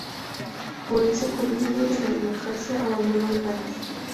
Por eso, con miedo de la democracia, abandono el país.